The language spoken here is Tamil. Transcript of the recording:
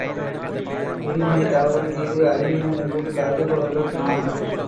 பிரிவினை தவறு, தீது, அறிவீனம் என்று கருதுபவர்கள் நாம்.